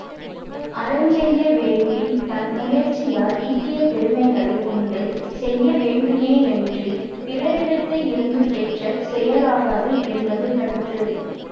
அறஞ்செய்ய வேண்டின் தன் முயற்சியால் ஈட்டிய பொருளைக் கொண்டு செய்யவேண்டுமேயன்றிப் பிறரிடத்து இரந்து பெற்றுச் செய்யலாகாது என்பது கருத்து.